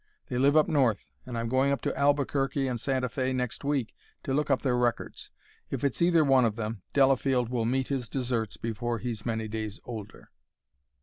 They live up North, and I'm going up to Albuquerque and Santa Fe next week to look up their records. If it's either one of them, Delafield will meet his deserts before he's many days older."